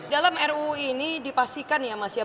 dalam ruu ini dipastikan ya mak sya